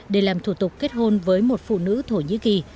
để làm thủ tục kết hôn với một phụ nữ thổ nhĩ kỳ